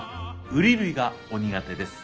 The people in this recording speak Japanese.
ウリ類がお苦手です。